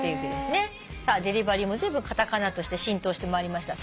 さあ「デリバリー」もずいぶんカタカナとして浸透してまいりました。